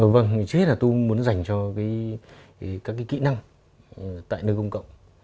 vâng trước hết là tôi muốn dành cho các cái kỹ năng tại nơi công cộng